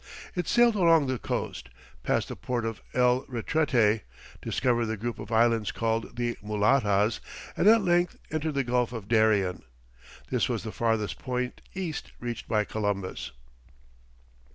It sailed along the coast, passed the port of El Retrete, discovered the group of islands called the Mulatas, and at length entered the Gulf of Darien. This was the farthest point east reached by Columbus.